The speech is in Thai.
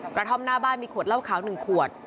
กระท่อมหน้าบ้านมีขวดเหล้าขาว๑ขวด